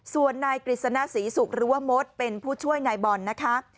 ส่วนนายกริษณะศรีสุขรัวมศเป็นผู้ช่วยนายบอลนะคะ